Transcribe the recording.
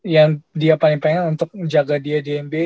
yang dia paling pengen untuk menjaga dia di nba